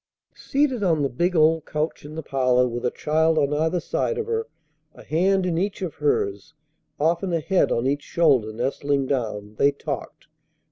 Seated on the big old couch in the parlor with a child on either side of her, a hand in each of hers, often a head on each shoulder nestling down, they talked.